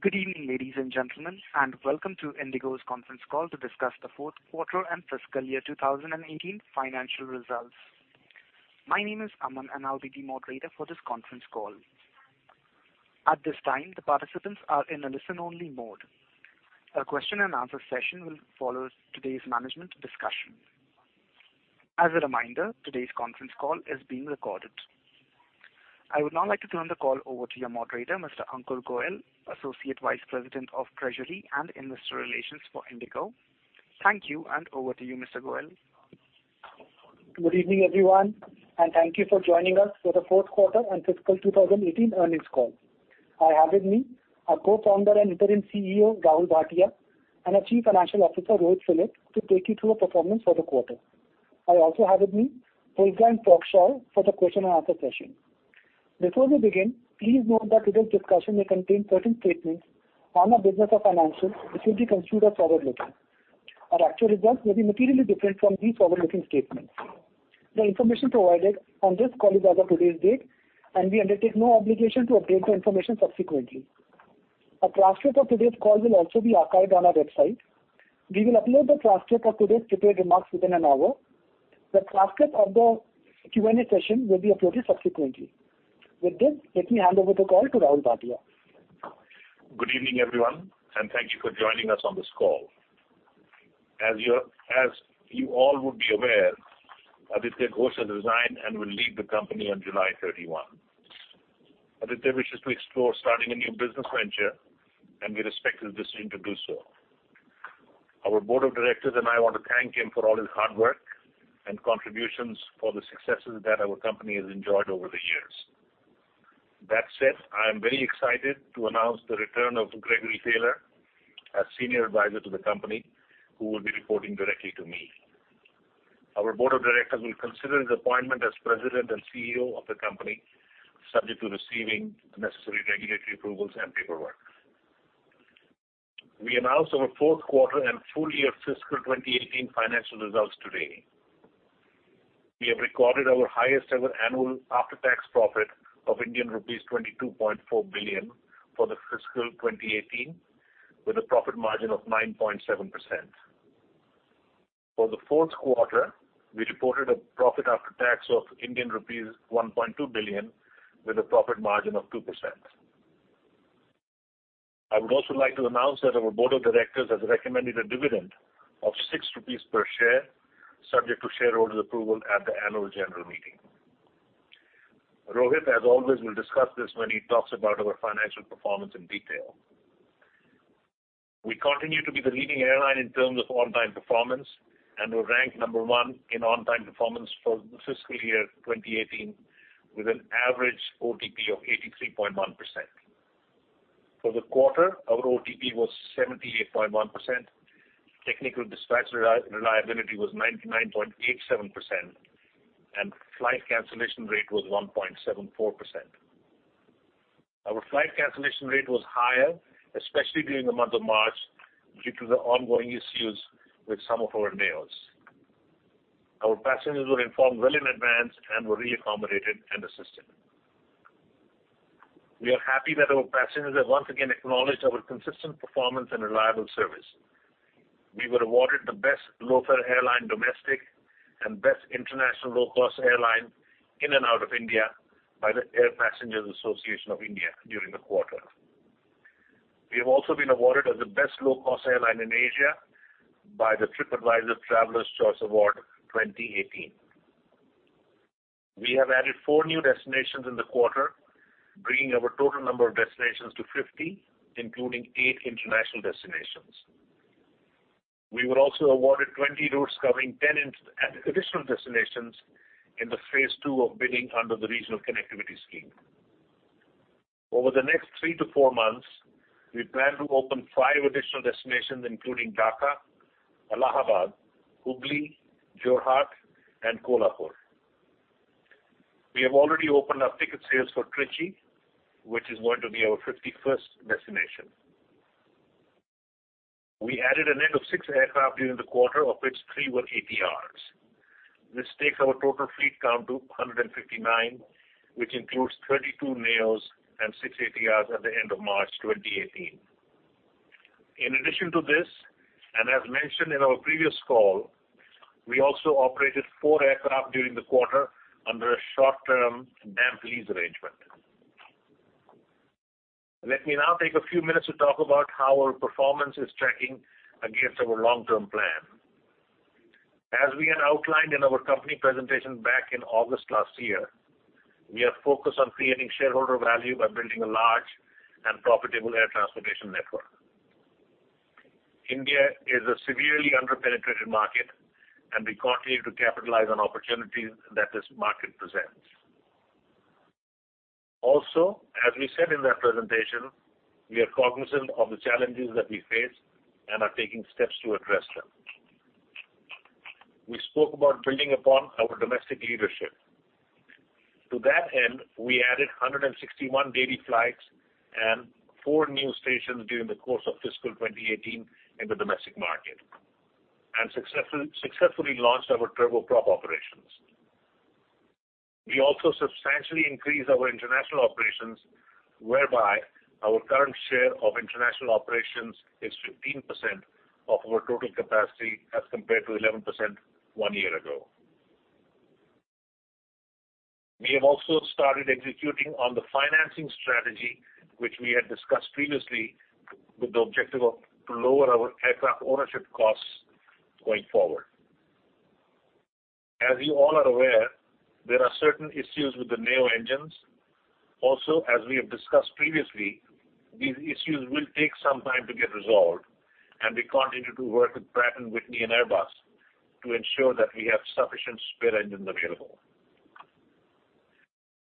Good evening, ladies and gentlemen, and welcome to IndiGo's conference call to discuss the fourth quarter and fiscal year 2018 financial results. My name is Aman, and I'll be the Moderator for this conference call. At this time, the participants are in a listen-only mode. A question and answer session will follow today's management discussion. As a reminder, today's conference call is being recorded. I would now like to turn the call over to your Moderator, Mr. Ankur Goel, Associate Vice President of Treasury and Investor Relations for IndiGo. Thank you, over to you, Mr. Goel. Good evening, everyone, and thank you for joining us for the fourth quarter and fiscal 2018 earnings call. I have with me our Co-founder and interim CEO, Rahul Bhatia, and our Chief Financial Officer, Rohit Philip, to take you through our performance for the quarter. I also have with me Holger and Prakash for the question and answer session. Before we begin, please note that today's discussion may contain certain statements on our business or financials which will be considered as forward-looking. Our actual results may be materially different from these forward-looking statements. The information provided on this call is as of today's date, and we undertake no obligation to update the information subsequently. A transcript of today's call will also be archived on our website. We will upload the transcript of today's prepared remarks within an hour. The transcript of the Q&A session will be uploaded subsequently. With this, let me hand over the call to Rahul Bhatia. Good evening, everyone, and thank you for joining us on this call. As you all would be aware, Aditya Ghosh has resigned and will leave the company on July 31. Aditya wishes to explore starting a new business venture, and we respect his decision to do so. Our board of directors and I want to thank him for all his hard work and contributions for the successes that our company has enjoyed over the years. That said, I am very excited to announce the return of Gregory Taylor as Senior Advisor to the company, who will be reporting directly to me. Our board of directors will consider his appointment as President and CEO of the company subject to receiving the necessary regulatory approvals and paperwork. We announced our fourth quarter and full year fiscal 2018 financial results today. We have recorded our highest-ever annual after-tax profit of Indian rupees 22.4 billion for the fiscal 2018, with a profit margin of 9.7%. For the fourth quarter, we reported a profit after tax of Indian rupees 1.2 billion with a profit margin of 2%. I would also like to announce that our board of directors has recommended a dividend of 6 rupees per share, subject to shareholder approval at the annual general meeting. Rohit will discuss this when he talks about our financial performance in detail. We continue to be the leading airline in terms of on-time performance, and we rank number 1 in on-time performance for the fiscal year 2018 with an average OTP of 83.1%. For the quarter, our OTP was 78.1%, technical dispatch reliability was 99.87%, and flight cancellation rate was 1.74%. Our flight cancellation rate was higher, especially during the month of March, due to the ongoing issues with some of our NEOs. Our passengers were informed well in advance and were re-accommodated and assisted. We are happy that our passengers have once again acknowledged our consistent performance and reliable service. We were awarded the Best Low-Fare Airline Domestic and Best International Low-Cost Airline in and out of India by the Air Passengers Association of India during the quarter. We have also been awarded as the Best Low-Cost Airline in Asia by the TripAdvisor Travelers' Choice Award 2018. We have added four new destinations in the quarter, bringing our total number of destinations to 50, including eight international destinations. We were also awarded 20 routes covering 10 additional destinations in the phase 2 of bidding under the Regional Connectivity Scheme. Over the next three to four months, we plan to open five additional destinations including Dhaka, Allahabad, Hubli, Jorhat, and Kolhapur. We have already opened our ticket sales for Trichy, which is going to be our 51st destination. We added a net of six aircraft during the quarter, of which three were ATRs. This takes our total fleet count to 159, which includes 32 NEOs and six ATRs at the end of March 2018. In addition to this, as mentioned in our previous call, we also operated four aircraft during the quarter under a short-term damp lease arrangement. Let me now take a few minutes to talk about how our performance is tracking against our long-term plan. As we had outlined in our company presentation back in August last year, we are focused on creating shareholder value by building a large and profitable air transportation network. India is a severely under-penetrated market, and we continue to capitalize on opportunities that this market presents. Also, as we said in that presentation, we are cognizant of the challenges that we face and are taking steps to address them. We spoke about building upon our domestic leadership. To that end, we added 161 daily flights and four new stations during the course of fiscal 2018 in the domestic market and successfully launched our turboprop operations. We also substantially increased our international operations, whereby our current share of international operations is 15% of our total capacity as compared to 11% one year ago. We have also started executing on the financing strategy, which we had discussed previously, with the objective of lowering our aircraft ownership costs going forward. As you all are aware, there are certain issues with the NEO engines. Also, as we have discussed previously, these issues will take some time to get resolved, and we continue to work with Pratt & Whitney and Airbus to ensure that we have sufficient spare engines available.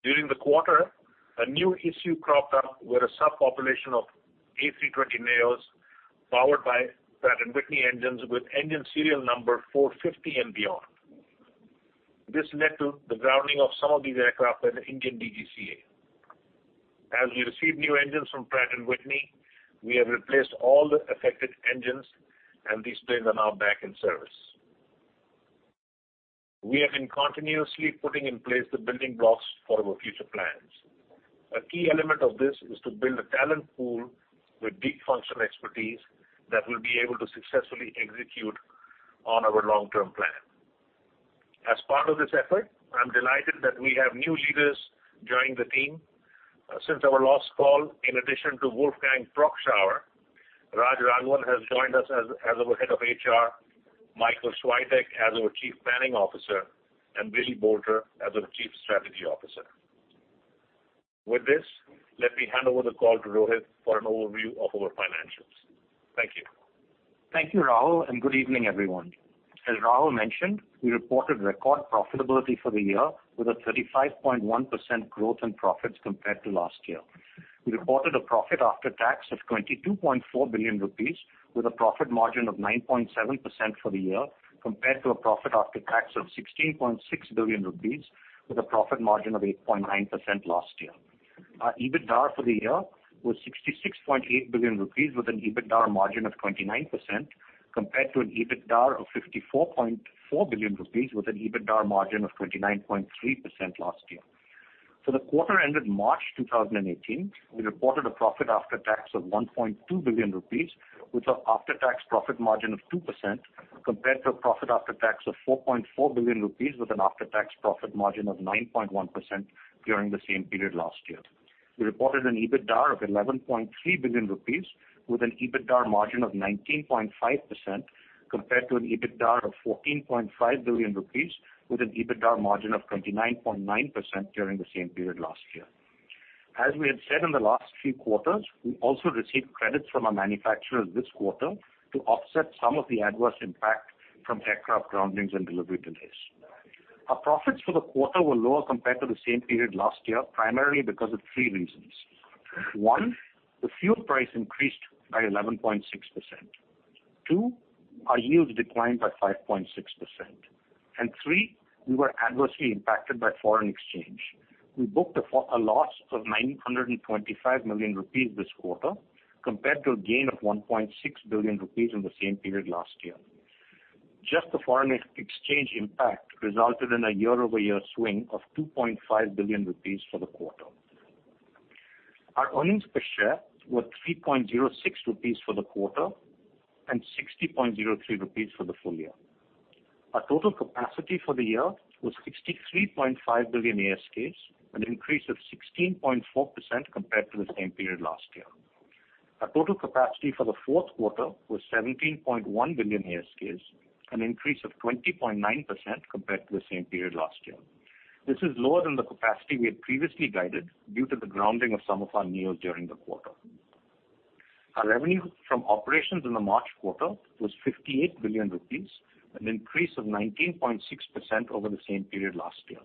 During the quarter, a new issue cropped up with a subpopulation of A320neos powered by Pratt & Whitney engines with engine serial number 450 and beyond. This led to the grounding of some of these aircraft by the Indian DGCA. As we receive new engines from Pratt & Whitney, we have replaced all the affected engines, and these planes are now back in service. We have been continuously putting in place the building blocks for our future plans. A key element of this is to build a talent pool with deep functional expertise that will be able to successfully execute on our long-term plan. As part of this effort, I am delighted that we have new leaders joining the team. Since our last call, in addition to Wolfgang Prock-Schauer, Raj Agarwal has joined us as our Head of HR, Michael Schwitek as our Chief Planning Officer, and William Boulter as our Chief Strategy Officer. With this, let me hand over the call to Rohit for an overview of our financials. Thank you. Thank you, Rahul, and good evening, everyone. As Rahul mentioned, we reported record profitability for the year with a 35.1% growth in profits compared to last year. We reported a profit after tax of 22.4 billion rupees with a profit margin of 9.7% for the year, compared to a profit after tax of 16.6 billion rupees with a profit margin of 8.9% last year. Our EBITDAR for the year was 66.8 billion rupees with an EBITDAR margin of 29%, compared to an EBITDAR of 54.4 billion rupees with an EBITDAR margin of 29.3% last year. For the quarter ended March 2018, we reported a profit after tax of 1.2 billion rupees with an after-tax profit margin of 2%, compared to a profit after tax of 4.4 billion rupees with an after-tax profit margin of 9.1% during the same period last year. We reported an EBITDAR of 11.3 billion rupees with an EBITDAR margin of 19.5%, compared to an EBITDAR of 14.5 billion rupees with an EBITDAR margin of 29.9% during the same period last year. As we had said in the last few quarters, we also received credits from our manufacturers this quarter to offset some of the adverse impact from aircraft groundings and delivery delays. Our profits for the quarter were lower compared to the same period last year, primarily because of three reasons. One, the fuel price increased by 11.6%. Two, our yields declined by 5.6%. Three, we were adversely impacted by foreign exchange. We booked a loss of 925 million rupees this quarter, compared to a gain of 1.6 billion rupees in the same period last year. Just the foreign exchange impact resulted in a year-over-year swing of 2.5 billion rupees for the quarter. Our earnings per share were 3.06 rupees for the quarter and 60.03 rupees for the full year. Our total capacity for the year was 63.5 billion ASKs, an increase of 16.4% compared to the same period last year. Our total capacity for the fourth quarter was 17.1 billion ASKs, an increase of 20.9% compared to the same period last year. This is lower than the capacity we had previously guided due to the grounding of some of our NEOs during the quarter. Our revenue from operations in the March quarter was 58 billion rupees, an increase of 19.6% over the same period last year.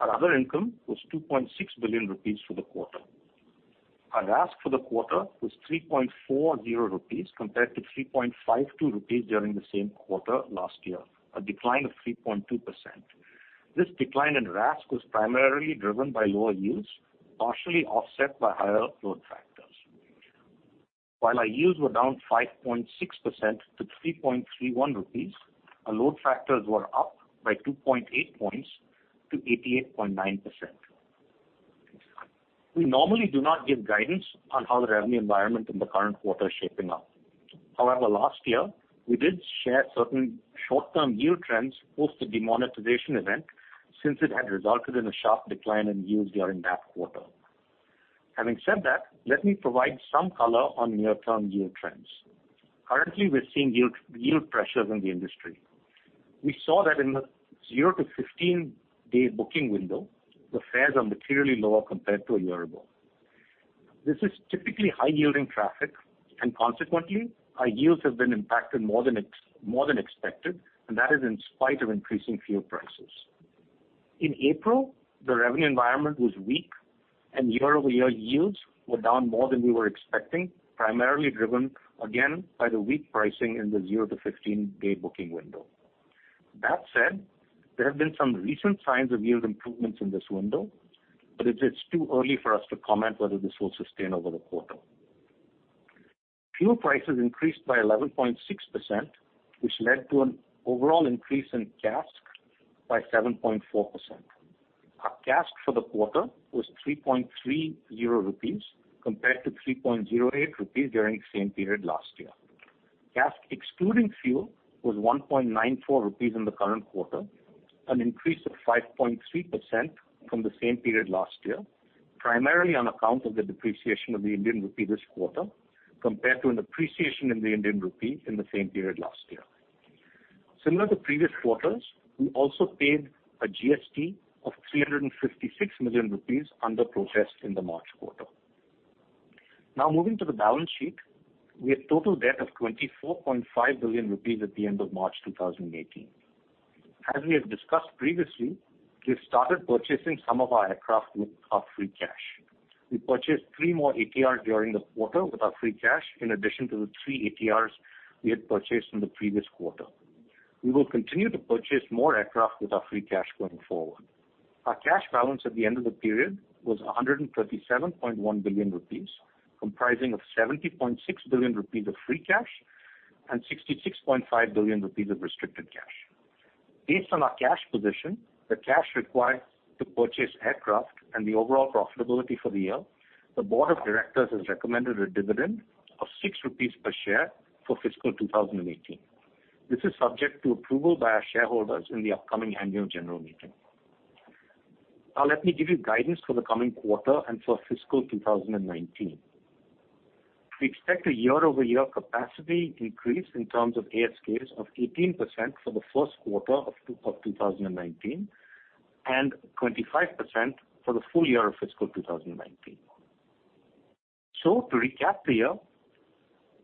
Our other income was 2.6 billion rupees for the quarter. Our RASK for the quarter was 3.40 rupees compared to 3.52 rupees during the same quarter last year, a decline of 3.2%. This decline in RASK was primarily driven by lower yields, partially offset by higher load factors. While our yields were down 5.6% to 3.31 rupees, our load factors were up by 2.8 points to 88.9%. We normally do not give guidance on how the revenue environment in the current quarter is shaping up. Last year, we did share certain short-term yield trends post the demonetization event, since it had resulted in a sharp decline in yields during that quarter. Having said that, let me provide some color on near-term yield trends. Currently, we're seeing yield pressures in the industry. We saw that in the 0 to 15-day booking window, the fares are materially lower compared to a year ago. This is typically high-yielding traffic, and consequently, our yields have been impacted more than expected, and that is in spite of increasing fuel prices. In April, the revenue environment was weak and year-over-year yields were down more than we were expecting, primarily driven again by the weak pricing in the 0 to 15-day booking window. That said, there have been some recent signs of yield improvements in this window, but it's too early for us to comment whether this will sustain over the quarter. Fuel prices increased by 11.6%, which led to an overall increase in CASK by 7.4%. Our CASK for the quarter was 3.30 rupees compared to 3.08 rupees during the same period last year. CASK excluding fuel was 1.94 rupees in the current quarter, an increase of 5.3% from the same period last year, primarily on account of the depreciation of the Indian rupee this quarter compared to an appreciation in the Indian rupee in the same period last year. Similar to previous quarters, we also paid a GST of 356 million rupees under protest in the March quarter. Moving to the balance sheet, we had total debt of 24.5 billion rupees at the end of March 2018. As we have discussed previously, we have started purchasing some of our aircraft with our free cash. We purchased three more ATRs during the quarter with our free cash, in addition to the three ATRs we had purchased in the previous quarter. We will continue to purchase more aircraft with our free cash going forward. Our cash balance at the end of the period was 137.1 billion rupees, comprising of 70.6 billion rupees of free cash and 66.5 billion rupees of restricted cash. Based on our cash position, the cash required to purchase aircraft, and the overall profitability for the year, the board of directors has recommended a dividend of 6 rupees per share for fiscal 2018. This is subject to approval by our shareholders in the upcoming annual general meeting. Let me give you guidance for the coming quarter and for fiscal 2019. We expect a year-over-year capacity increase in terms of ASKs of 18% for the first quarter of 2019, and 25% for the full year of fiscal 2019. To recap the year,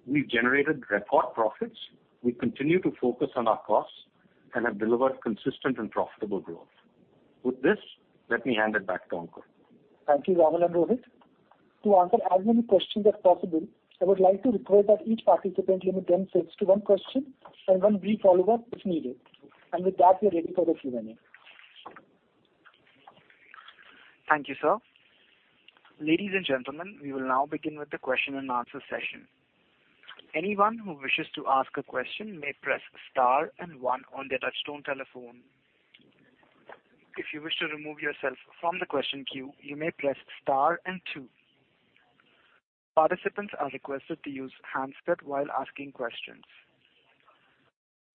we generated record profits. We continue to focus on our costs and have delivered consistent and profitable growth. With this, let me hand it back to Ankur. Thank you, Rahul and Rohit. To answer as many questions as possible, I would like to request that each participant limit themselves to one question and one brief follow-up if needed. With that, we are ready for the Q&A. Thank you, sir. Ladies and gentlemen, we will now begin with the question and answer session. Anyone who wishes to ask a question may press star and one on their touchtone telephone. If you wish to remove yourself from the question queue, you may press star and two. Participants are requested to use handset while asking questions.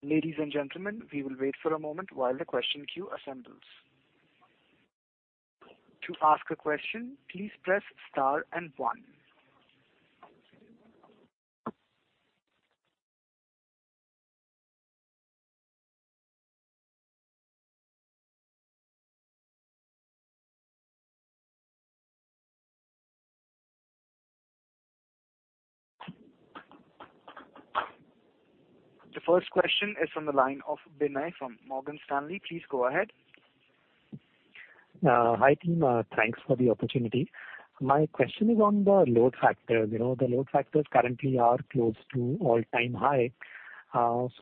Ladies and gentlemen, we will wait for a moment while the question queue assembles. To ask a question, please press star and one. The first question is from the line of Binay from Morgan Stanley. Please go ahead. Hi, team. Thanks for the opportunity. My question is on the load factors. The load factors currently are close to all-time high.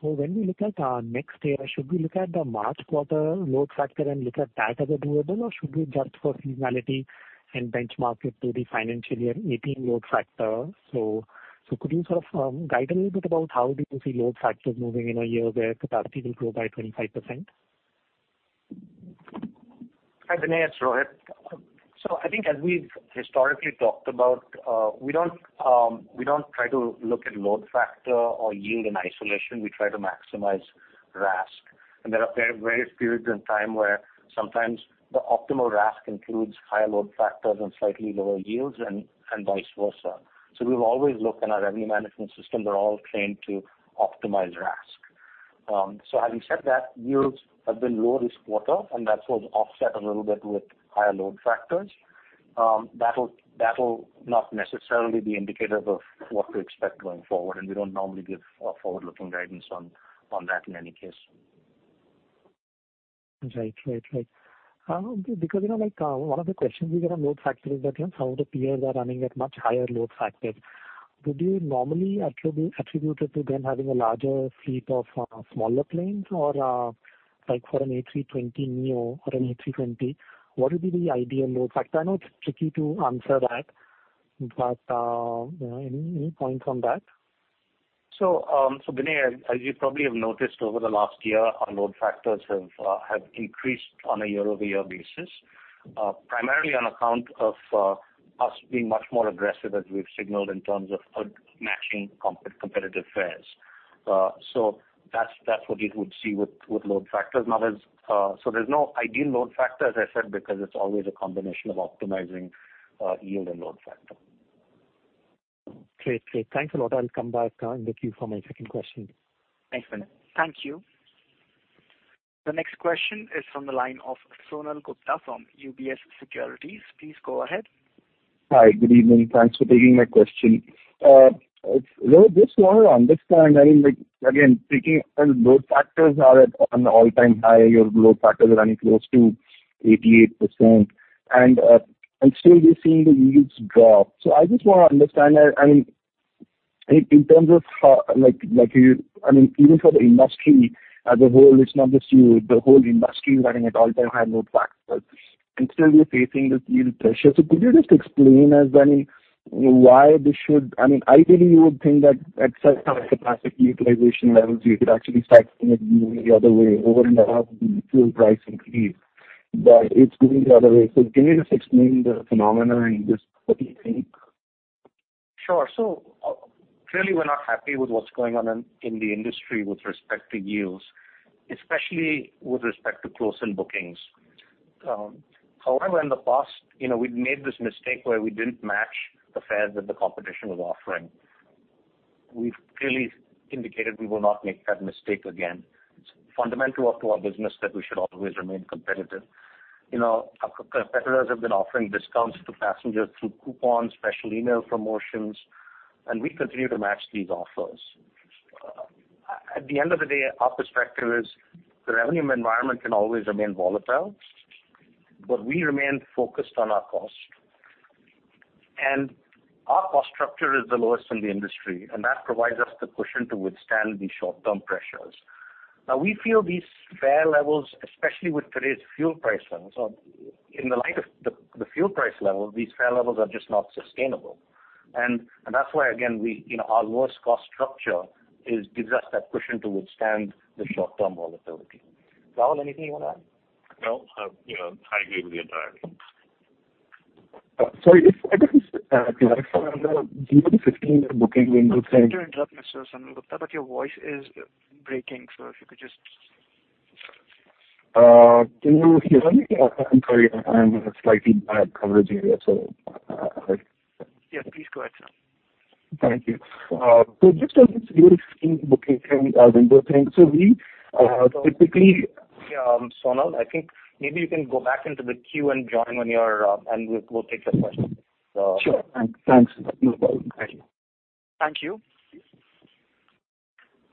When we look at next year, should we look at the March quarter load factor and look at that as a doable, or should we adjust for seasonality and benchmark it to the financial year 2018 load factor? Could you sort of guide a little bit about how do you see load factors moving in a year where capacity will grow by 25%? Hi, Binay. It's Rohit. I think as we've historically talked about, we don't try to look at load factor or yield in isolation. We try to maximize RASK. There are various periods in time where sometimes the optimal RASK includes high load factors and slightly lower yields and vice versa. We've always looked and our revenue management systems are all trained to optimize RASK. Having said that, yields have been low this quarter, and that was offset a little bit with higher load factors. That will not necessarily be indicative of what to expect going forward, and we don't normally give forward-looking guidance on that in any case. Right. Because one of the questions we get on load factors is that some of the peers are running at much higher load factors. Would you normally attribute it to them having a larger fleet of smaller planes? For an A320neo or an A320, what would be the ideal load factor? I know it's tricky to answer that, but any point on that? Binay, as you probably have noticed over the last year, our load factors have increased on a year-over-year basis, primarily on account of us being much more aggressive as we've signaled in terms of matching competitive fares. That's what you would see with load factors. There's no ideal load factor, as I said, because it's always a combination of optimizing yield and load factor. Great. Thanks a lot. I'll come back in the queue for my second question. Thanks, Binay. Thank you. The next question is from the line of Sonal Gupta from UBS Securities. Please go ahead. Hi. Good evening. Thanks for taking my question. Rohit, I just want to understand, again, thinking load factors are at an all-time high. Your load factors are running close to 88%, and still we're seeing the yields drop. I just want to understand that, even for the industry as a whole, it's not just you, the whole industry is running at all-time high load factors. Still you're facing this yield pressure. Could you just explain, as any, why this should ideally you would think that at certain capacity utilization levels, you could actually start seeing it moving the other way, over and above the fuel price increase. It's going the other way. Can you just explain the phenomenon and just what do you think? Sure. Clearly we're not happy with what's going on in the industry with respect to yields, especially with respect to close-in bookings. However, in the past, we've made this mistake where we didn't match the fares that the competition was offering. We've clearly indicated we will not make that mistake again. It's fundamental to our business that we should always remain competitive. Our competitors have been offering discounts to passengers through coupons, special email promotions, and we continue to match these offers. At the end of the day, our perspective is the revenue environment can always remain volatile, but we remain focused on our cost. Our cost structure is the lowest in the industry, and that provides us the cushion to withstand these short-term pressures. We feel these fare levels, especially with today's fuel price levels, in the light of the fuel price level, these fare levels are just not sustainable. That's why, again, our lowest cost structure gives us that cushion to withstand the short-term volatility. Rahul, anything you want to add? No. I agree with you entirely. Sorry. If I could just during the 15-day booking window thing. Sorry to interrupt, Sonal Gupta, your voice is breaking. If you could just. Can you hear me? I'm sorry. I'm in a slightly bad coverage area. Yeah, please go ahead, sir. Thank you. Just on this 15 booking window thing. Sonal, I think maybe you can go back into the queue and join. We'll take your question. Sure. Thanks. No problem. Thank you. Thank you.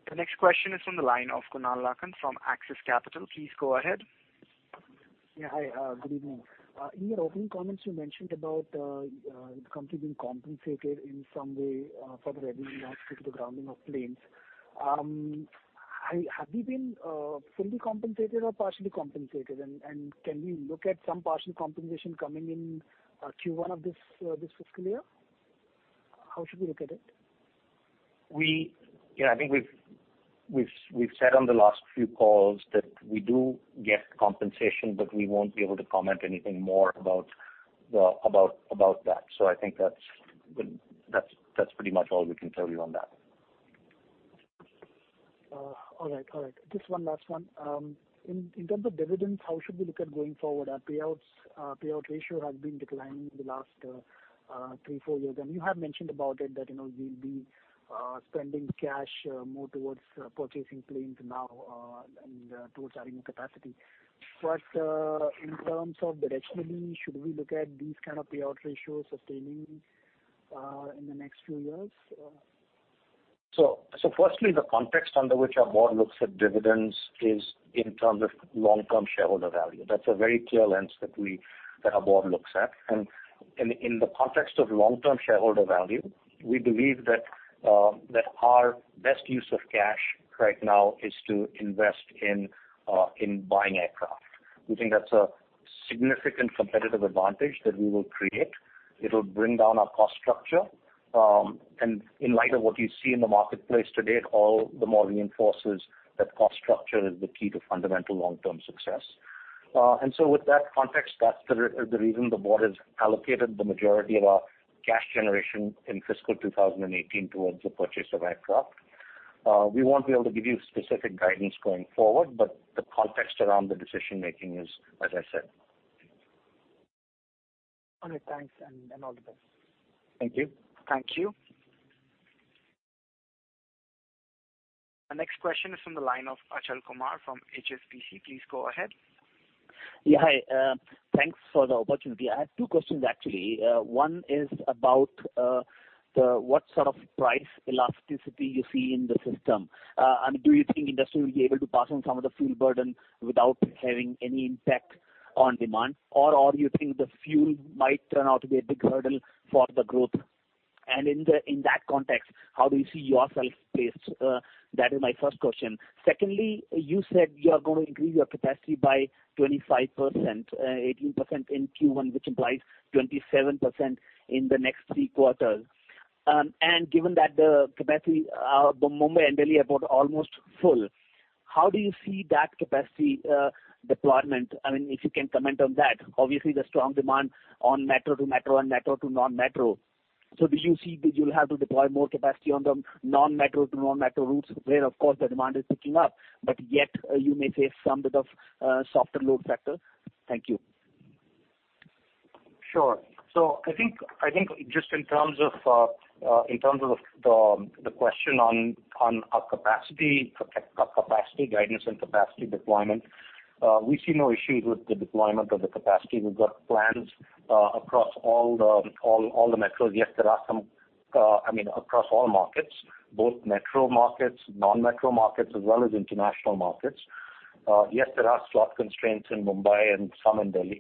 The next question is from the line of Kunal Lakhan from Axis Capital. Please go ahead. Yeah, hi. Good evening. In your opening comments, you mentioned about the company being compensated in some way for the revenue lost due to the grounding of planes. Have you been fully compensated or partially compensated? Can we look at some partial compensation coming in Q1 of this fiscal year? How should we look at it? I think we've said on the last few calls that we do get compensation, but we won't be able to comment anything more about that. I think that's pretty much all we can tell you on that. All right. Just one last one. In terms of dividends, how should we look at going forward? Our payout ratio has been declining in the last three, four years. You have mentioned about it that you'll be spending cash more towards purchasing planes now and towards adding capacity. In terms of directionally, should we look at these kind of payout ratios sustaining in the next few years? Firstly, the context under which our board looks at dividends is in terms of long-term shareholder value. That's a very clear lens that our board looks at. In the context of long-term shareholder value, we believe that our best use of cash right now is to invest in buying aircraft. We think that's a significant competitive advantage that we will create. It'll bring down our cost structure. In light of what you see in the marketplace today, it all the more reinforces that cost structure is the key to fundamental long-term success. With that context, that's the reason the board has allocated the majority of our cash generation in fiscal 2018 towards the purchase of aircraft. We won't be able to give you specific guidance going forward, but the context around the decision-making is as I said. All right, thanks, and all the best. Thank you. Thank you. Our next question is from the line of Achal Kumar from HSBC. Please go ahead. Hi. Thanks for the opportunity. I have two questions, actually. One is about what sort of price elasticity you see in the system. Do you think industry will be able to pass on some of the fuel burden without having any impact on demand? Do you think the fuel might turn out to be a big hurdle for the growth? In that context, how do you see yourself placed? That is my first question. Secondly, you said you are going to increase your capacity by 25%, 18% in Q1, which implies 27% in the next three quarters. Given that the capacity, the Mumbai and Delhi are both almost full, how do you see that capacity deployment? If you can comment on that. Obviously, the strong demand on metro to metro and metro to non-metro. Do you see that you'll have to deploy more capacity on the non-metro to non-metro routes where, of course, the demand is picking up, but yet you may face some bit of softer load factor? Thank you. Sure. I think just in terms of the question on our capacity guidance and capacity deployment, we see no issues with the deployment of the capacity. We've got plans across all the metros. Yes, there are across all markets, both metro markets, non-metro markets, as well as international markets. Yes, there are slot constraints in Mumbai and some in Delhi.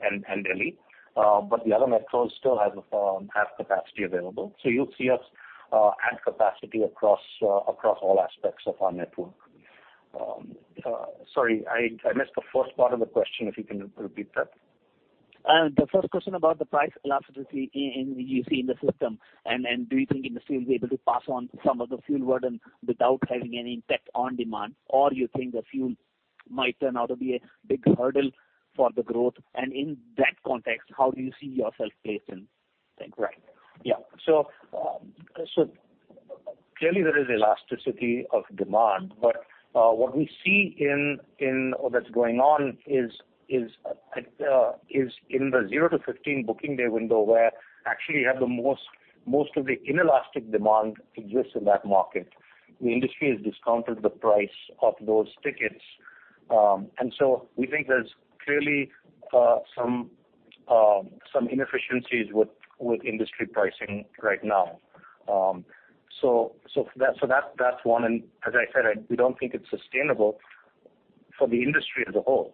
The other metros still have capacity available. You'll see us add capacity across all aspects of our network. Sorry, I missed the first part of the question, if you can repeat that. The first question about the price elasticity you see in the system, do you think industry will be able to pass on some of the fuel burden without having any impact on demand? Do you think the fuel might turn out to be a big hurdle for the growth? In that context, how do you see yourself placed in things? Right. Yeah. Clearly there is elasticity of demand, but what we see that's going on is in the 0 to 15 booking day window where actually you have the most of the inelastic demand exists in that market. The industry has discounted the price of those tickets. We think there's clearly some inefficiencies with industry pricing right now. That's one, and as I said, we don't think it's sustainable for the industry as a whole.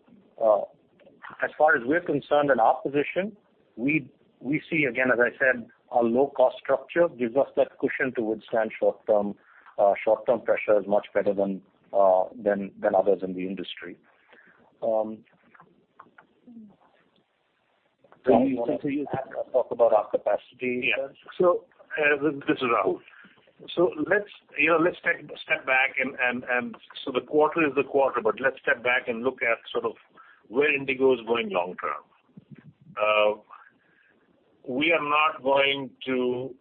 As far as we're concerned in our position, we see, again, as I said, our low-cost structure gives us that cushion to withstand short-term pressures much better than others in the industry. Do you want me to talk about our capacity? Yeah. This is Rahul. Let's take a step back. The quarter is the quarter, but let's step back and look at sort of where IndiGo is going long term. We are not going to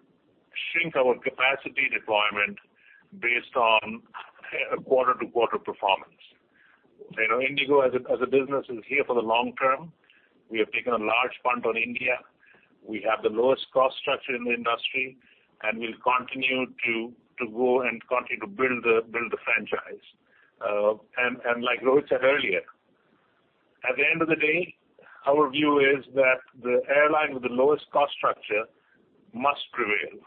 shrink our capacity deployment based on quarter-to-quarter performance. IndiGo, as a business, is here for the long term. We have taken a large punt on India. We have the lowest cost structure in the industry, we'll continue to grow and continue to build the franchise. Like Rohit said earlier, at the end of the day, our view is that the airline with the lowest cost structure must prevail,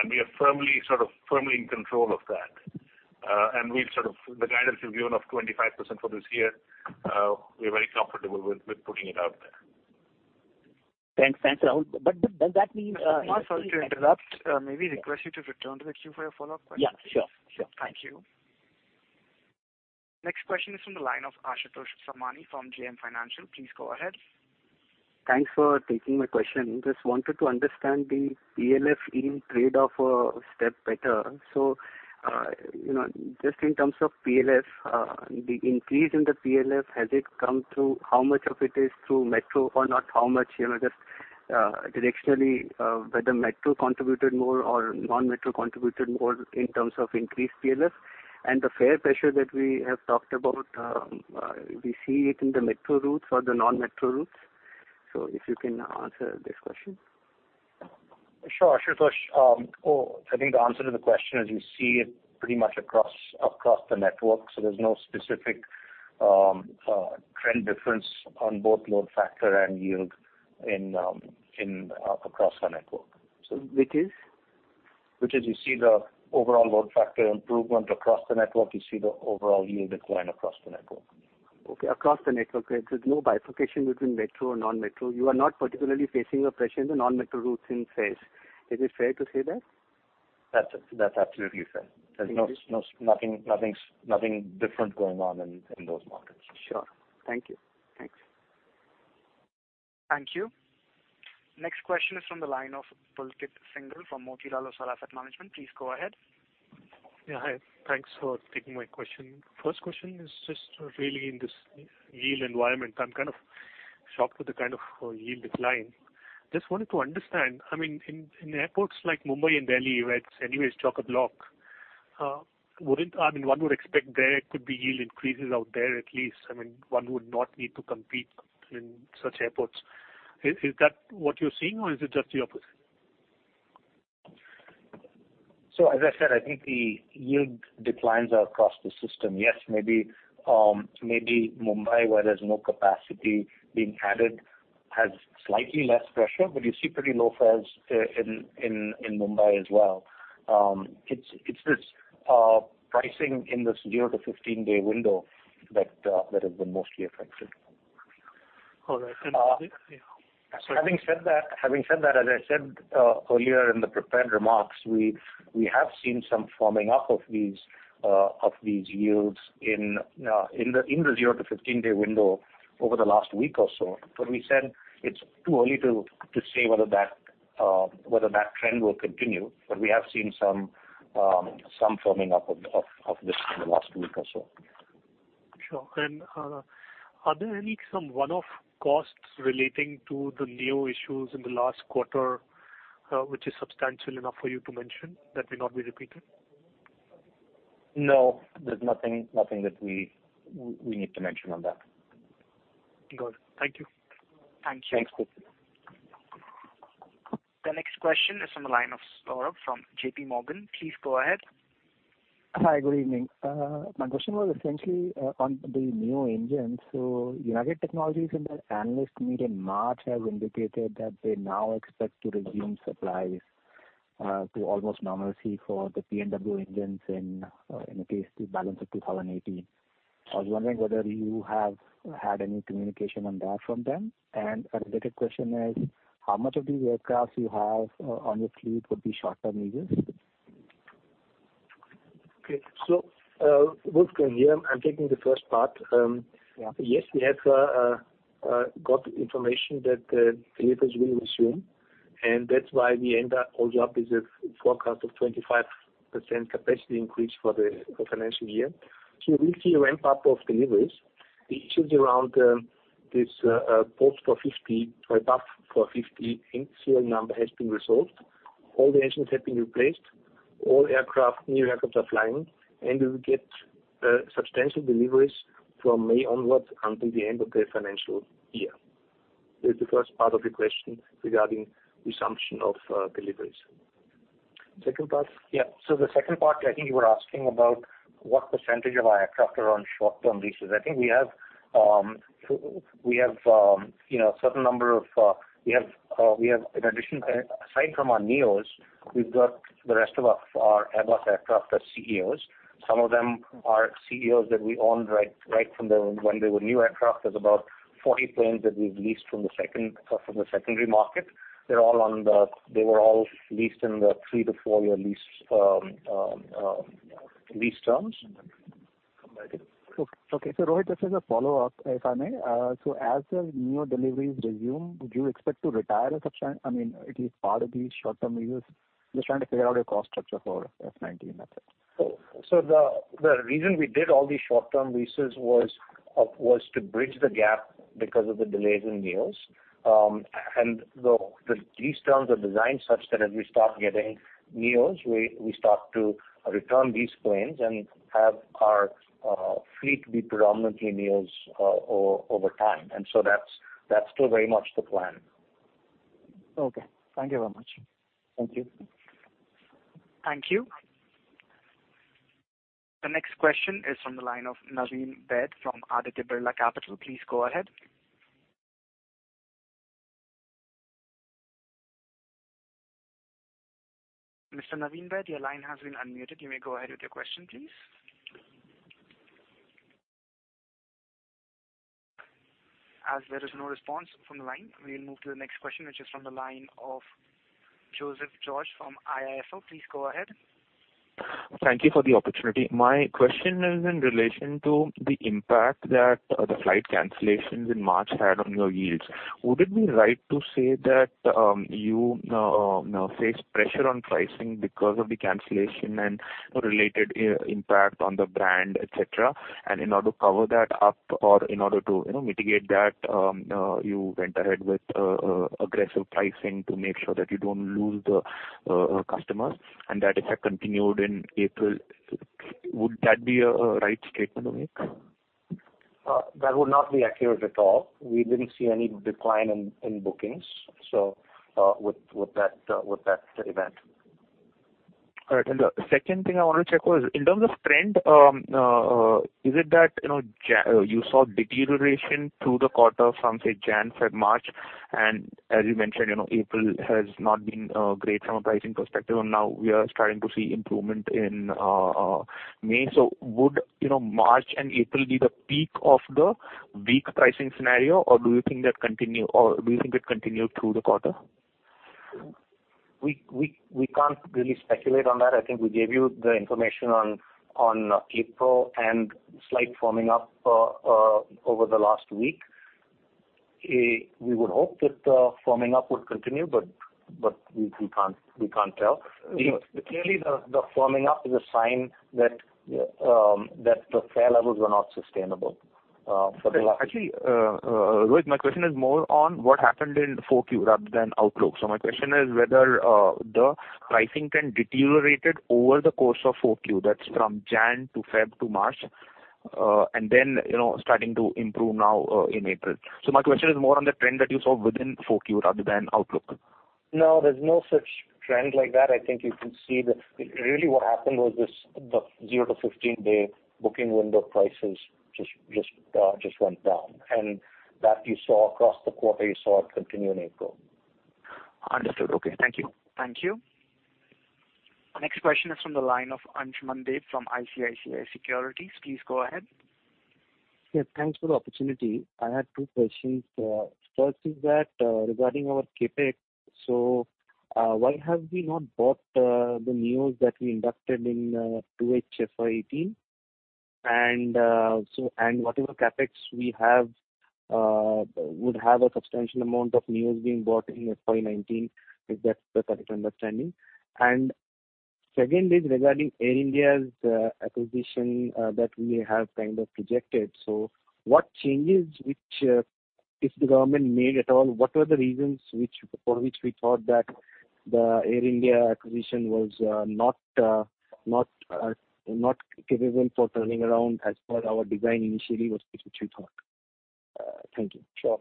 and we are firmly in control of that. The guidance we've given of 25% for this year, we're very comfortable with putting it out there. Thanks, Rahul. Does that mean Sorry to interrupt. May we request you to return to the queue for your follow-up question, please? Yeah, sure. Thank you. Next question is from the line of Ashutosh Somani from JM Financial. Please go ahead. Thanks for taking my question. Just wanted to understand the PLF yield trade-off a step better. Just in terms of PLF, the increase in the PLF, how much of it is through metro or not how much, just directionally, whether metro contributed more or non-metro contributed more in terms of increased PLF? The fare pressure that we have talked about, do you see it in the metro routes or the non-metro routes? If you can answer these questions. Sure, Ashutosh. I think the answer to the question is you see it pretty much across the network, so there's no specific trend difference on both load factor and yield across our network. Which is? Which is you see the overall load factor improvement across the network. You see the overall yield decline across the network. Okay, across the network. There's no bifurcation between metro or non-metro. You are not particularly facing a pressure in the non-metro routes in fares. Is it fair to say that? That's absolutely fair. There's nothing different going on in those markets. Sure. Thank you. Thanks. Thank you. Next question is from the line of Pulkit Singhal from Motilal Oswal Asset Management. Please go ahead. Yes. Hi. Thanks for taking my question. First question is just really in this yield environment, I am kind of shocked with the kind of yield decline. Just wanted to understand, in airports like Mumbai and Delhi, where it is anyways chock-a-block, one would expect there could be yield increases out there at least. One would not need to compete in such airports. Is that what you are seeing, or is it just the opposite? As I said, I think the yield declines are across the system. Yes, maybe Mumbai, where there is no capacity being added, has slightly less pressure, but you see pretty low fares in Mumbai as well. It is this pricing in this zero to 15-day window that has been mostly affected. All right. Having said that, as I said earlier in the prepared remarks, we have seen some firming up of these yields in the zero to 15-day window over the last week or so. We said it is too early to say whether that trend will continue. We have seen some firming up of this in the last week or so. Sure. Are there any some one-off costs relating to the NEO issues in the last quarter, which is substantial enough for you to mention that may not be repeated? No, there's nothing that we need to mention on that. Got it. Thank you. Thank you. Thanks, Pulkit. The next question is from the line of Saurabh from JPMorgan. Please go ahead. Hi. Good evening. My question was essentially on the NEO engines. United Technologies in their analyst meet in March have indicated that they now expect to resume supplies to almost normalcy for the PW engines in the case to balance of 2018. I was wondering whether you have had any communication on that from them. A related question is, how much of the aircraft you have on your fleet would be short-term leases? Okay. Wolfgang, here I'm taking the first part. Yeah. Yes, we have got information that deliveries will resume, and that's why we end up with a forecast of 25% capacity increase for the financial year. We'll see a ramp-up of deliveries. The issues around this post-450 or above 450 in serial number has been resolved. All the engines have been replaced. All new aircraft are flying, and we will get substantial deliveries from May onwards until the end of the financial year. That is the first part of your question regarding resumption of deliveries. Second part? Yeah. The second part, I think you were asking about what percentage of our aircraft are on short-term leases. I think we have a certain number of Aside from our NEOs, we've got the rest of our Airbus aircraft as CEOs. Some of them are CEOs that we owned right from when they were new aircraft. There's about 40 planes that we've leased from the secondary market. They were all leased in the 3 to 4-year lease terms. Okay. Rohit, just as a follow-up, if I may. As the NEO deliveries resume, do you expect to retire a substantial, at least part of these short-term leases? Just trying to figure out your cost structure for FY 2019 method. The reason we did all these short-term leases was to bridge the gap because of the delays in NEOs. The lease terms are designed such that as we start getting NEOs, we start to return these planes and have our fleet be predominantly NEOs over time. That's still very much the plan. Okay. Thank you very much. Thank you. The next question is from the line of Naveen Bhat from Aditya Birla Capital. Please go ahead. Mr. Naveen Bhat, your line has been unmuted. You may go ahead with your question, please. Thank you for the opportunity. My question is in relation to the impact that the flight cancellations in March had on your yields. Would it be right to say that you now face pressure on pricing because of the cancellation and related impact on the brand, et cetera? In order to cover that up, or in order to mitigate that you went ahead with aggressive pricing to make sure that you don't lose the customers and that effect continued in April. Would that be a right statement to make? That would not be accurate at all. We didn't see any decline in bookings, so with that event. All right. The second thing I wanted to check was, in terms of trend, is it that you saw deterioration through the quarter from, say, Jan, Feb, March, and as you mentioned April has not been great from a pricing perspective, and now we are starting to see improvement in May. Would March and April be the peak of the weak pricing scenario? Do you think it continued through the quarter? We can't really speculate on that. I think we gave you the information on April and slight firming up over the last week. We would hope that the firming up would continue, but we can't tell. Clearly, the firming up is a sign that the fare levels were not sustainable for the last- Actually, Rohit, my question is more on what happened in Q4 rather than outlook. My question is whether the pricing then deteriorated over the course of Q4, that's from January to February to March, and then starting to improve now in April. My question is more on the trend that you saw within Q4 rather than outlook. No, there's no such trend like that. I think you can see that really what happened was the zero to 15-day booking window prices just went down. That you saw across the quarter, you saw it continue in April. Understood. Okay. Thank you. Thank you. Next question is from the line of Anshumandeep Singh from ICICI Securities. Please go ahead. Yes, thanks for the opportunity. I had two questions. First is that regarding our CapEx, why have we not bought the NEOs that we inducted in 2H FY 2018? Whatever CapEx we have would have a substantial amount of NEOs being bought in FY 2019. Is that the correct understanding? Second is regarding Air India's acquisition that we have kind of rejected. What changes, if the government made at all, what were the reasons for which we thought that the Air India acquisition was not capable of turning around as per our design initially? What specifically you thought? Thank you. Sure.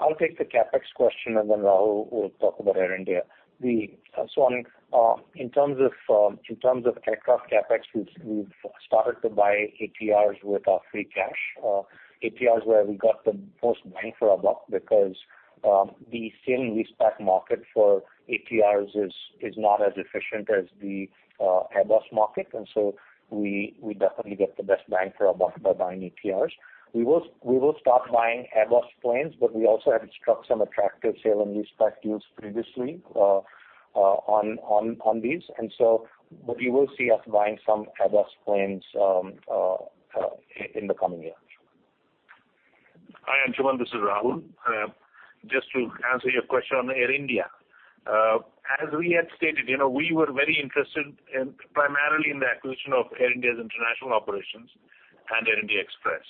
I'll take the CapEx question, then Rahul will talk about Air India. In terms of aircraft CapEx, we've started to buy ATRs with our free cash. ATRs where we got the most bang for our buck because the sale and lease back market for ATRs is not as efficient as the Airbus market. We definitely get the best bang for our buck by buying ATRs. We will start buying Airbus planes, but we also have struck some attractive sale and lease back deals previously on these. You will see us buying some Airbus planes in the coming year. Hi, Anshuman. This is Rahul. Just to answer your question on Air India. As we had stated, we were very interested primarily in the acquisition of Air India's international operations and Air India Express.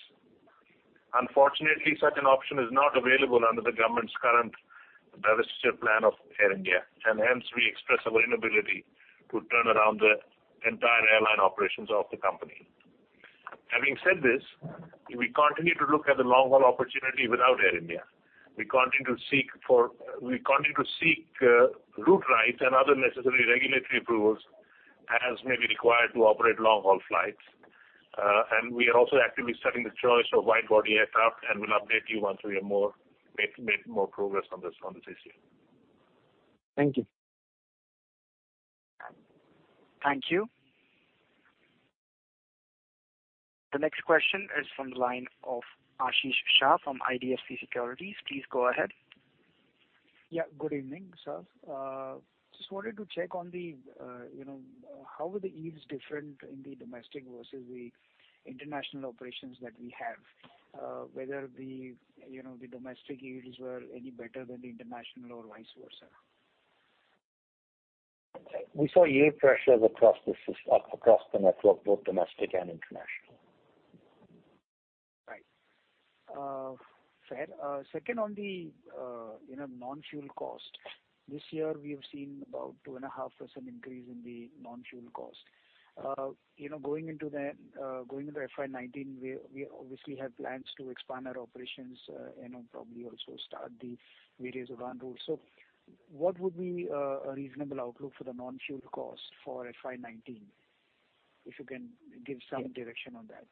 Unfortunately, such an option is not available under the government's current divestiture plan of Air India, and hence we express our inability to turn around the entire airline operations of the company. Having said this, we continue to look at the long-haul opportunity without Air India. We continue to seek route rights and other necessary regulatory approvals as may be required to operate long-haul flights. We are also actively studying the choice of wide-body aircraft and will update you once we have made more progress on this issue. Thank you. Thank you. The next question is from the line of Ashish Shah from IDFC Securities. Please go ahead. Yeah, good evening, sir. Just wanted to check how were the yields different in the domestic versus the international operations that we have? Whether the domestic yields were any better than the international or vice versa. Okay. We saw yield pressures across the network, both domestic and international. Right. Fair. Second on the non-fuel cost. This year, we have seen about 2.5% increase in the non-fuel cost. Going into FY 2019, we obviously have plans to expand our operations, probably also start the various UDAN routes. What would be a reasonable outlook for the non-fuel cost for FY 2019? If you can give some direction on that.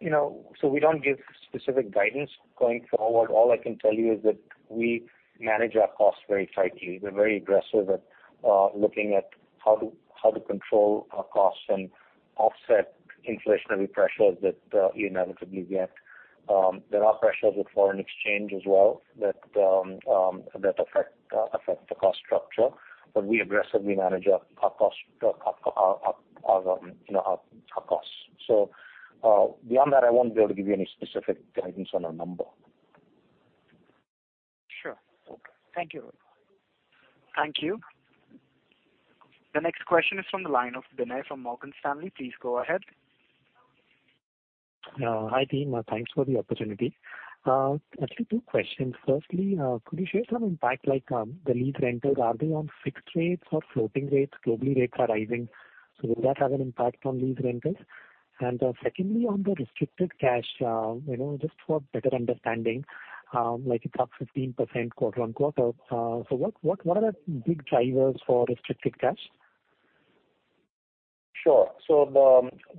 We don't give specific guidance going forward. All I can tell you is that we manage our costs very tightly. We're very aggressive at looking at how to control our costs and offset inflationary pressures that you inevitably get. There are pressures with foreign exchange as well that affect the cost structure, but we aggressively manage our costs. Beyond that, I won't be able to give you any specific guidance on a number. Sure. Okay. Thank you. Thank you. The next question is from the line of Binay from Morgan Stanley. Please go ahead. Hi, team. Thanks for the opportunity. Actually two questions. Firstly, could you share some impact, like, the lease rentals, are they on fixed rates or floating rates? Globally rates are rising, so will that have an impact on lease rentals? Secondly, on the restricted cash, just for better understanding, like it's up 15% quarter-on-quarter. What are the big drivers for restricted cash? Sure.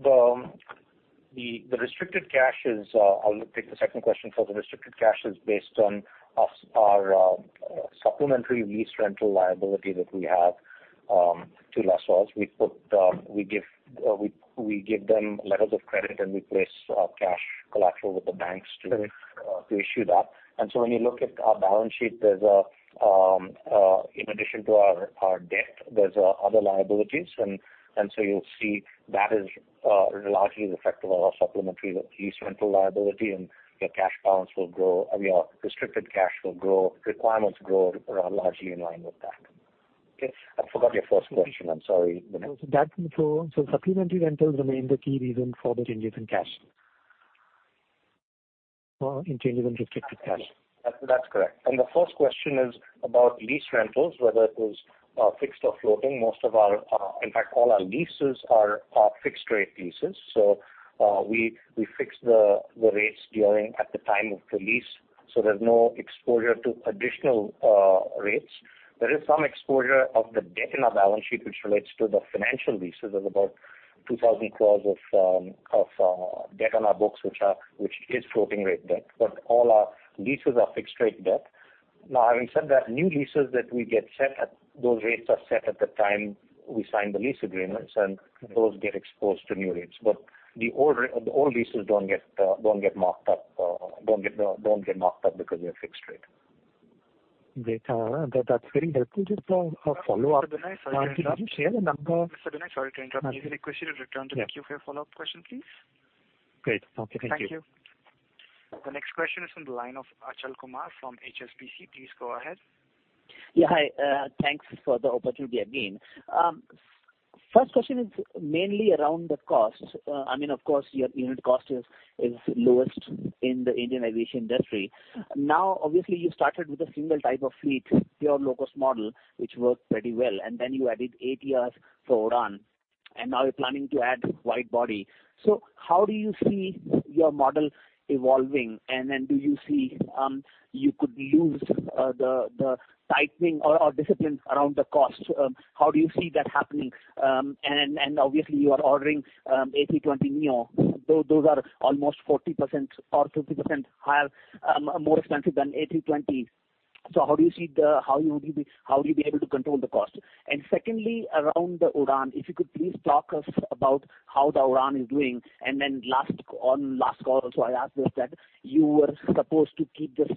The restricted cash is, I'll take the second question first. The restricted cash is based on our supplementary lease rental liability that we have to lessors. We give them letters of credit, and we place cash collateral with the banks to issue that. When you look at our balance sheet, in addition to our debt, there's other liabilities. You'll see that is largely the effect of our supplementary lease rental liability and the cash balance will grow, I mean, our restricted cash will grow, requirements grow are largely in line with that. Okay. I forgot your first question. I'm sorry, Binay. That control. Supplementary rentals remain the key reason for the changes in cash. In changes in restricted cash. That's correct. The first question is about lease rentals, whether it is fixed or floating. Most of our, in fact all our leases are fixed rate leases. We fix the rates during at the time of the lease, so there's no exposure to additional rates. There is some exposure of the debt in our balance sheet, which relates to the financial leases of about 2,000 crores of debt on our books, which is floating rate debt. All our leases are fixed rate debt. Now, having said that, new leases that we get set at, those rates are set at the time we sign the lease agreements, and those get exposed to new rates. The old leases don't get marked up because they're fixed rate. That's very helpful. Just a follow-up. Mr. Binay, sorry to interrupt. Could you share the number- Mr. Binay, sorry to interrupt. May I request you to return to the queue for your follow-up question, please? Great. Okay. Thank you. Thank you. The next question is from the line of Achal Kumar from HSBC. Please go ahead. Hi. Thanks for the opportunity again. First question is mainly around the cost. I mean, of course, your unit cost is lowest in the Indian aviation industry. Now, obviously, you started with a single type of fleet, pure low-cost model, which worked pretty well. Then you added ATRs for UDAN. Now you're planning to add wide-body. So how do you see your model evolving? Then do you see you could lose the tightening or discipline around the cost? How do you see that happening? Obviously, you are ordering A320neo, those are almost 40% or 50% more expensive than A320. So how do you see how you will be able to control the cost? Secondly, around the UDAN, if you could please talk us about how the UDAN is doing. Then on last call also, I asked this that you were supposed to keep the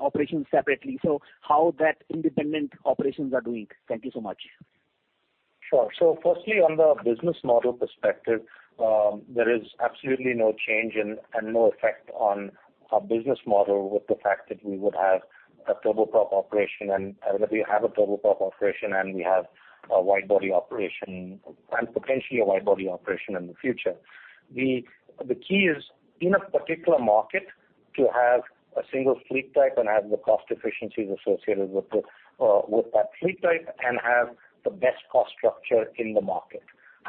operations separately, how that independent operations are doing? Thank you so much. Sure. Firstly, on the business model perspective, there is absolutely no change and no effect on our business model with the fact that we have a turboprop operation, and we have a wide-body operation, and potentially a wide-body operation in the future. The key is in a particular market to have a single fleet type and have the cost efficiencies associated with that fleet type and have the best cost structure in the market.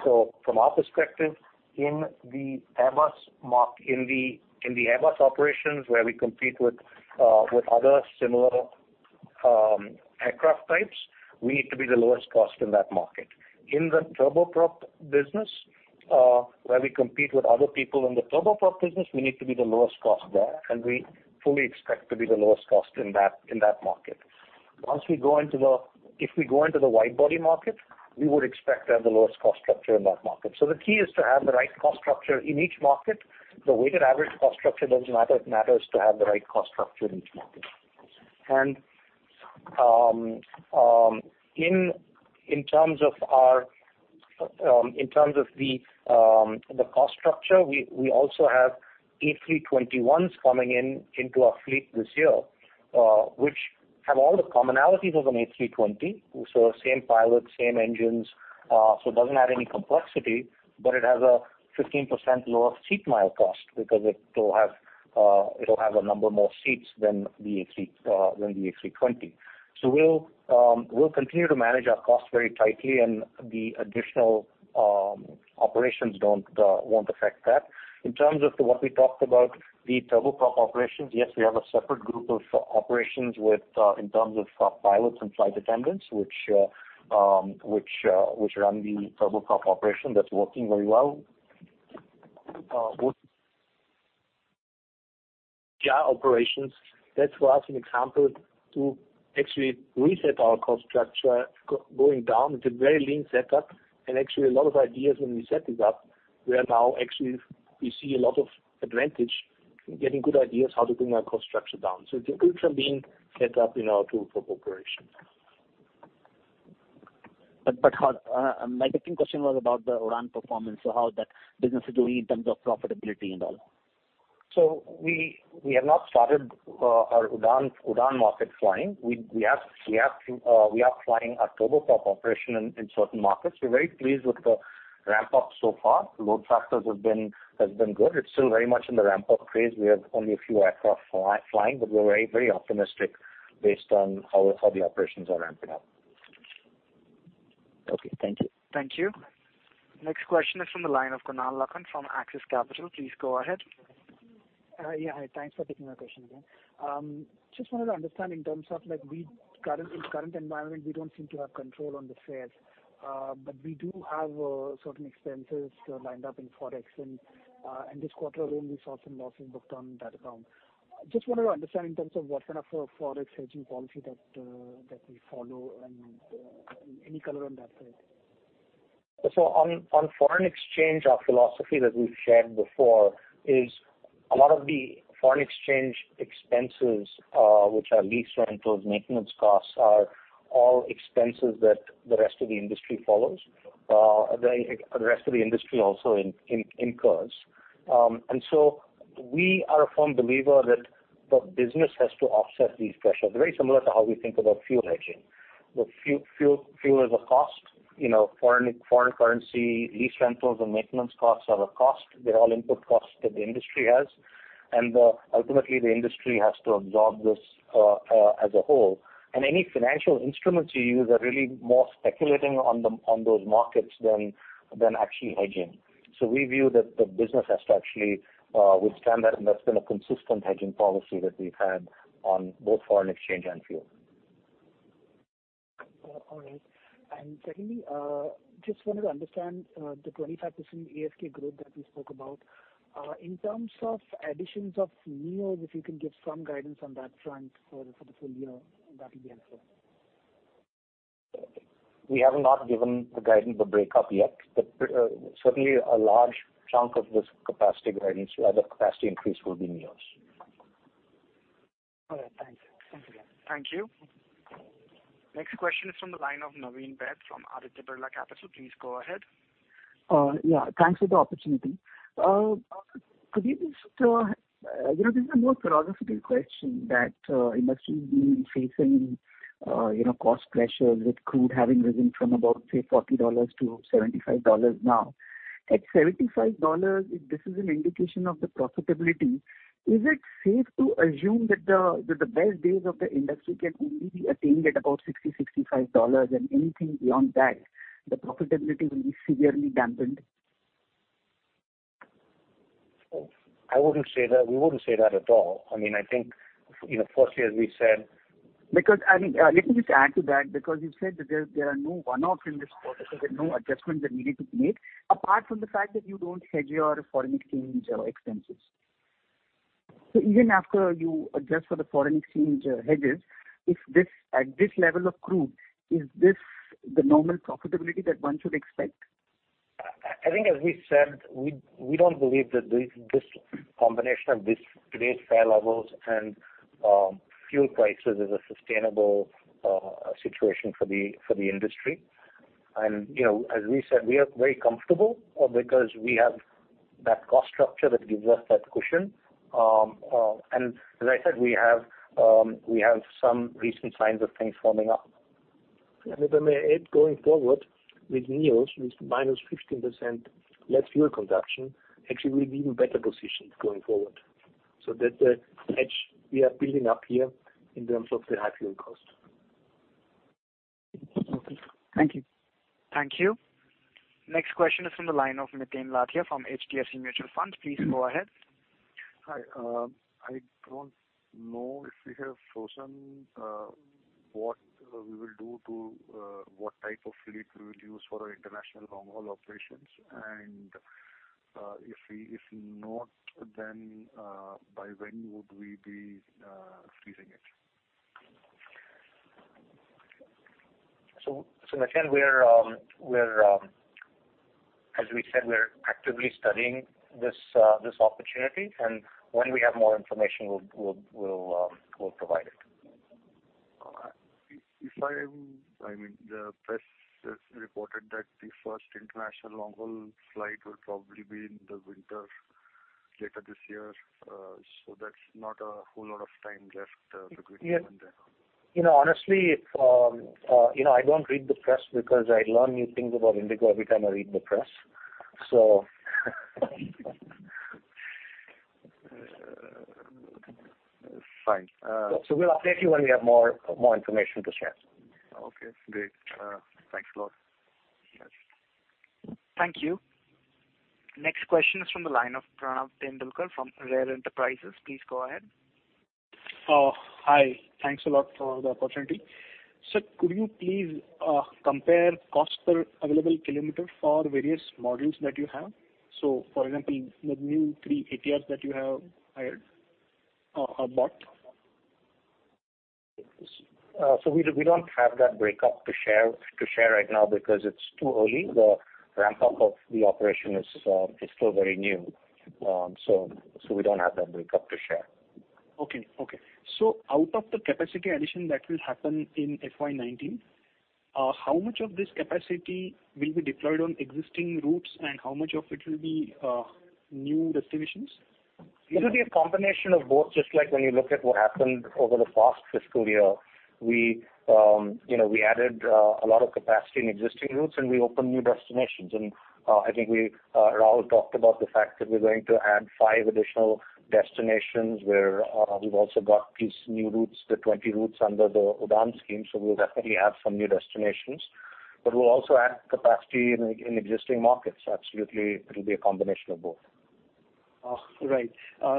From our perspective, in the Airbus operations where we compete with other similar aircraft types, we need to be the lowest cost in that market. In the turboprop business, where we compete with other people in the turboprop business, we need to be the lowest cost there, and we fully expect to be the lowest cost in that market. If we go into the wide-body market, we would expect to have the lowest cost structure in that market. The key is to have the right cost structure in each market. The weighted average cost structure doesn't matter. It matters to have the right cost structure in each market. In terms of the cost structure, we also have A321s coming into our fleet this year, which have all the commonalities of an A320. Same pilot, same engines, it doesn't add any complexity, but it has a 15% lower seat mile cost because it'll have a number more seats than the A320. We'll continue to manage our cost very tightly and the additional operations won't affect that. In terms of what we talked about, the turboprop operations, yes, we have a separate group of operations in terms of pilots and flight attendants, which run the turboprop operation. That's working very well. Yeah, operations, that was an example to actually reset our cost structure going down. It's a very lean setup and actually a lot of ideas when we set this up, we see a lot of advantage in getting good ideas how to bring our cost structure down. It's a good lean setup in our turboprop operation. My second question was about the UDAN performance. How that business is doing in terms of profitability and all? We have not started our UDAN market flying. We are flying a turboprop operation in certain markets. We're very pleased with the ramp-up so far. Load factors have been good. It's still very much in the ramp-up phase. We have only a few aircraft flying, but we're very optimistic based on how the operations are ramping up. Okay. Thank you. Thank you. Next question is from the line of Kunal Lakhan from Axis Capital. Please go ahead. Yeah. Hi. Thanks for taking my question again. Just wanted to understand in terms of in current environment, we don't seem to have control on the fares, but we do have certain expenses lined up in forex and this quarter only we saw some losses booked on that account. Just wanted to understand in terms of what kind of a forex hedging policy that we follow and any color on that side. On foreign exchange, our philosophy that we've shared before is a lot of the foreign exchange expenses which are lease rentals, maintenance costs, are all expenses that the rest of the industry follows. The rest of the industry also incurs. We are a firm believer that the business has to offset these pressures, very similar to how we think about fuel hedging. Fuel is a cost, foreign currency, lease rentals, and maintenance costs are a cost. They're all input costs that the industry has, and ultimately, the industry has to absorb this as a whole. Any financial instruments you use are really more speculating on those markets than actually hedging. We view that the business has to actually withstand that, and that's been a consistent hedging policy that we've had on both foreign exchange and fuel. All right. Secondly, just wanted to understand the 25% ASK growth that we spoke about. In terms of additions of neos, if you can give some guidance on that front for the full year, that would be helpful. We have not given the guidance of break-up yet, certainly a large chunk of this capacity increase will be neos. All right. Thanks. Thank you. Next question is from the line of Naveen Bhat from Aditya Birla Capital. Please go ahead. Yeah, thanks for the opportunity. This is a more philosophical question that industry is being facing cost pressures with crude having risen from about, say, $40 to $75 now. At $75, if this is an indication of the profitability, is it safe to assume that the best days of the industry can only be attained at about $60, $65, and anything beyond that, the profitability will be severely dampened? I wouldn't say that. We wouldn't say that at all. I think, firstly. let me just add to that, because you said that there are no one-offs in this quarter. There are no adjustments that needed to be made, apart from the fact that you don't hedge your foreign exchange expenses. Even after you adjust for the foreign exchange hedges, at this level of crude, is this the normal profitability that one should expect? I think, as we said, we don't believe that this combination of this today's fare levels and fuel prices is a sustainable situation for the industry. As we said, we are very comfortable because we have that cost structure that gives us that cushion. As I said, we have some recent signs of things firming up. If I may add, going forward with NEOs, with minus 15% less fuel consumption, actually we're even better positioned going forward. That's the edge we are building up here in terms of the high fuel cost. Okay. Thank you. Thank you. Next question is from the line of Nitin Lathia from HDFC Mutual Fund. Please go ahead. Hi. I don't know if we have chosen what we will do to what type of fleet we will use for our international long-haul operations, if not, then by when would we be freezing it? Nitin, as we said, we're actively studying this opportunity, when we have more information, we'll provide it. The press has reported that the first international long-haul flight will probably be in the winter later this year. That's not a whole lot of time left between now and then. Honestly, I don't read the press because I learn new things about IndiGo every time I read the press. Fine. We'll update you when we have more information to share. Okay, great. Thanks a lot. Yes. Thank you. Next question is from the line of Pranav Tendulkar from RARE Enterprises. Please go ahead. Hi. Thanks a lot for the opportunity. Sir, could you please compare cost per available kilometer for various models that you have? For example, the new 3 ATRs that you have bought. We don't have that breakup to share right now because it's too early. The ramp-up of the operation is still very new. We don't have that breakup to share. Okay. Out of the capacity addition that will happen in FY 2019, how much of this capacity will be deployed on existing routes and how much of it will be new destinations? It will be a combination of both, just like when you look at what happened over the past fiscal year. We added a lot of capacity in existing routes, and we opened new destinations. I think Rahul talked about the fact that we're going to add five additional destinations where we've also got these new routes, the 20 routes under the UDAN scheme. We'll definitely add some new destinations. We'll also add capacity in existing markets. Absolutely, it will be a combination of both. Right.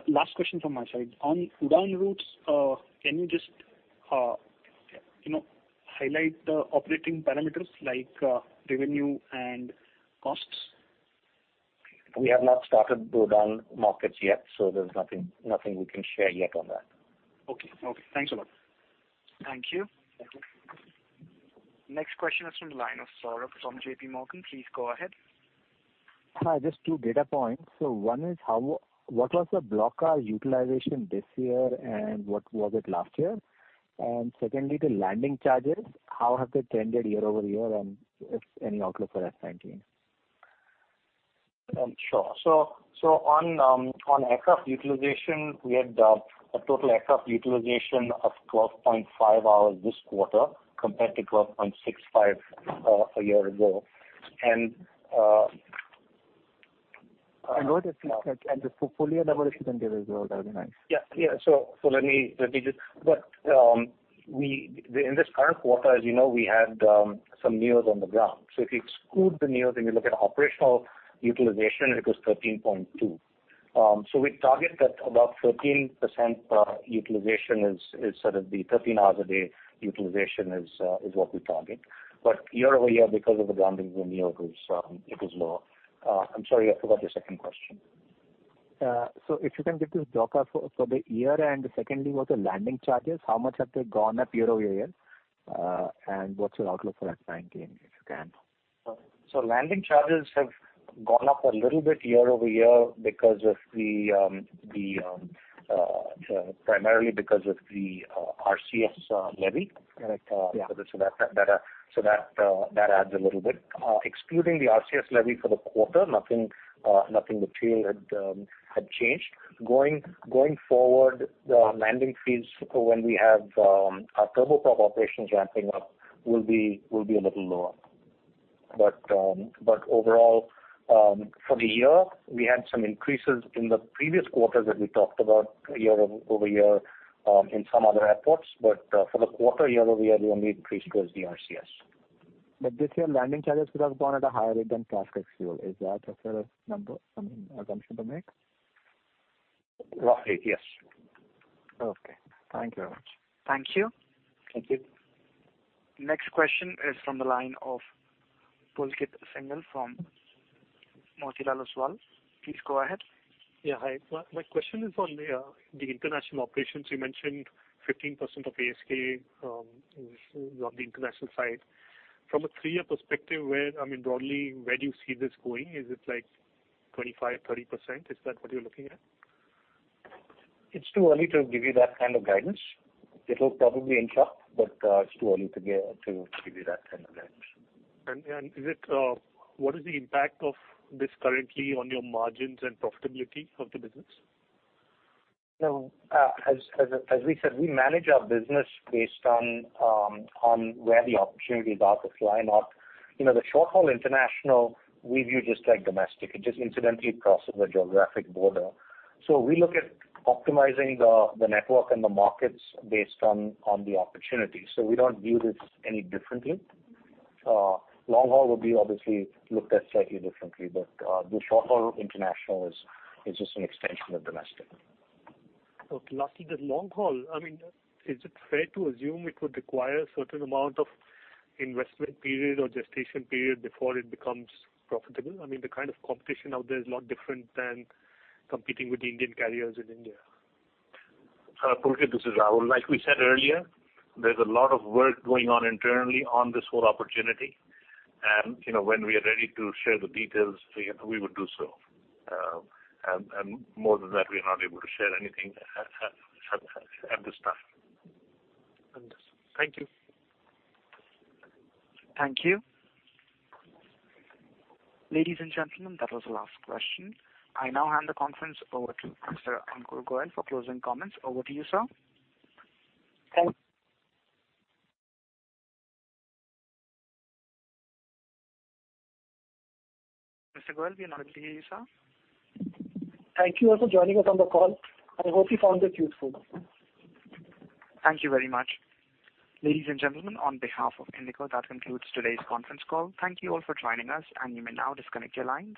Last question from my side. On UDAN routes, can you just highlight the operating parameters like revenue and costs? We have not started UDAN markets yet. There's nothing we can share yet on that. Okay. Thanks a lot. Thank you. Next question is from the line of Saurabh from JPMorgan. Please go ahead. Hi. Just two data points. One is, what was the block hour utilization this year and what was it last year? Secondly, the landing charges, how have they tended year-over-year and if any outlook for FY19? Sure. On aircraft utilization, we had a total aircraft utilization of 12.5 hours this quarter compared to 12.65 a year ago. What if you check the portfolio level, if you can give as well, that'll be nice. Yeah. In this current quarter, as you know, we had some NEOs on the ground. If you exclude the NEOs and you look at operational utilization, it was 13.2. We target that about 13% utilization is sort of the 13 hours a day utilization is what we target. Year-over-year, because of the grounding of the NEOs, it is low. I'm sorry, I forgot your second question. if you can give the block hour for the year, secondly, what the landing charges, how much have they gone up year-over-year? What's your outlook for FY 2019, if you can? Landing charges have gone up a little bit year-over-year primarily because of the RCS levy. Correct. Yeah. That adds a little bit. Excluding the RCS levy for the quarter, Nothing material had changed. Going forward, the landing fees for when we have our turboprop operations ramping up will be a little lower. Overall, for the year, we had some increases in the previous quarter that we talked about year-over-year in some other airports. For the quarter year-over-year, the only increase was RCS. This year, landing charges could have gone at a higher rate than traffic fuel. Is that a fair assumption to make? Right. Yes. Okay. Thank you very much. Thank you. Thank you. Next question is from the line of Pulkit Singhal from Motilal Oswal. Please go ahead. Yeah. Hi. My question is on the international operations. You mentioned 15% of ASK is on the international side. From a three-year perspective, broadly, where do you see this going? Is it 25%, 30%? Is that what you're looking at? It's too early to give you that kind of guidance. It'll probably inch up, but it's too early to give you that kind of guidance. What is the impact of this currently on your margins and profitability of the business? As we said, we manage our business based on where the opportunities are to fly. On the short-haul international, we view it just like domestic. It just incidentally crosses a geographic border. We look at optimizing the network and the markets based on the opportunity. We don't view this any differently. Long-haul would be obviously looked at slightly differently. The short-haul international is just an extension of domestic. Okay. Lastly, the long haul, is it fair to assume it would require a certain amount of investment period or gestation period before it becomes profitable? The kind of competition out there is a lot different than competing with the Indian carriers in India. Pulkit, this is Rahul. Like we said earlier, there's a lot of work going on internally on this whole opportunity, and when we are ready to share the details, we would do so. More than that, we're not able to share anything at this time. Understood. Thank you. Thank you. Ladies and gentlemen, that was the last question. I now hand the conference over to Mr. Ankur Goel for closing comments. Over to you, sir. Thank- Mr. Goel, we are not able to hear you, sir. Thank you all for joining us on the call. I hope you found it useful. Thank you very much. Ladies and gentlemen, on behalf of IndiGo, that concludes today's conference call. Thank you all for joining us. You may now disconnect your lines.